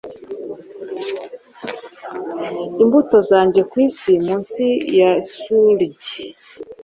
imbuto zanjye kwisi munsi ya Surige,